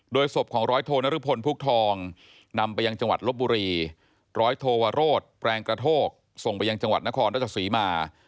ศพของร้อยโทนรุพลภุกทองนำไปยังจังหวัดลบบุรีร้อยโทวโรศแปลงกระโทกส่งไปยังจังหวัดนครราชศรีมา